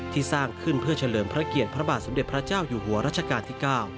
สร้างขึ้นเพื่อเฉลิมพระเกียรติพระบาทสมเด็จพระเจ้าอยู่หัวรัชกาลที่๙